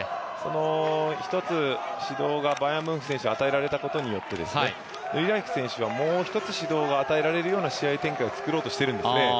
１つ指導がバヤンムンフ選手に与えられたことによって、ヌリラエフ選手はもう１つ指導が与えられるような試合展開をつくろうとしているんですね。